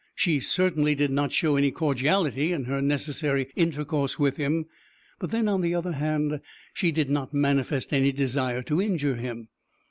She certainly did not show any cordiality in her necessary intercourse with him; but then, on the other hand, she did not manifest any desire to injure him.